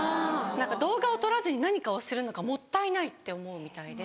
動画を撮らずに何かをするのがもったいないって思うみたいで。